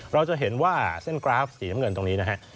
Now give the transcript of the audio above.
เราจะเห็นว่าเส้นกราฟสีน้ำเงินตรงนี้นะฮะ